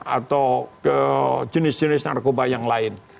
atau ke jenis jenis narkoba yang lain